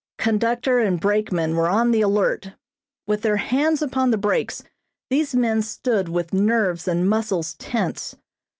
Conductor and brakeman were on the alert. With their hands upon the brakes these men stood with nerves and muscles tense.